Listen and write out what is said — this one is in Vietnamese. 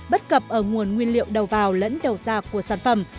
bất cập ở nguồn nguyên liệu đầu vào lẫn đầu giạc của sản phẩm